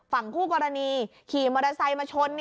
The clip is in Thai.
ฝั่งคู่กรณีขี่มอเตอร์ไซค์มาชน